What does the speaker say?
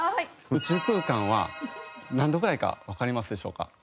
宇宙空間は何度ぐらいかわかりますでしょうか？